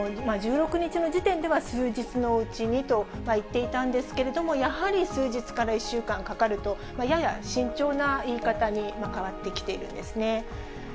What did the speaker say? １６日の時点では、数日のうちにと言っていたんですけれども、やはり数日から１週間かかると、やや慎重な言い方に変わってきているんですね。